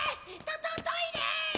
トトイレ！